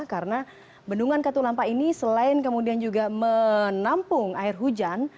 karena bendungan katulampa ini selain kemudian juga mengerjakan perusahaan